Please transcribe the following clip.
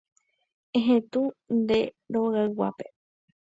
Ehetũ nde rogayguápe.